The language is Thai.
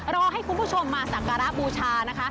รอให้คุณผู้ชมมาสักการะบูชานะคะ